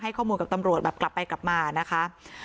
ข้อมูลกับตำรวจแบบกลับไปกลับมานะคะ